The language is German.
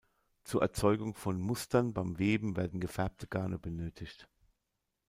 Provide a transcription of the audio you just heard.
Zur Erzeugung von Mustern beim Weben werden gefärbte Garne benötigt.